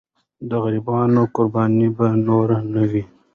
د غریبانو قرباني به نور نه وي.